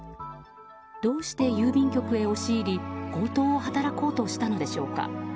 どうして郵便局へ押し入り強盗を働こうとしたのでしょうか。